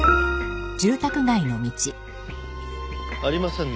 ありませんね